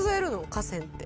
河川って。